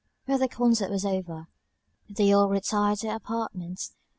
When the concert was over, they all retired to their apartments.